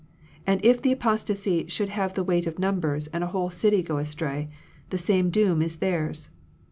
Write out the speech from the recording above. And if the apos tasy should have the weight of numbers and a whole city go astray, the same doom is theirs.